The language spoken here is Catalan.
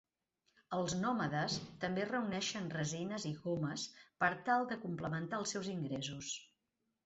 Els nòmades també reuneixen resines i gomes per tal de complementar els seus ingressos.